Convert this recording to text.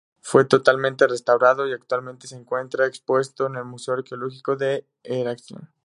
Fue totalmente restaurado y actualmente se encuentra expuesto en el Museo Arqueológico de Heraclión.